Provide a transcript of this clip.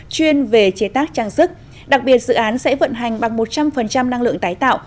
chuyên về chế tác trang sức đặc biệt dự án sẽ vận hành bằng một trăm linh năng lượng tái tạo